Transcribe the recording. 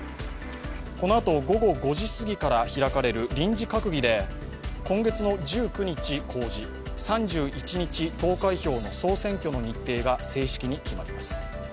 このあと午後５時すぎから開かれる臨時閣議で今月１９日公示、３１日投開票の総選挙の日程が正式に決まります。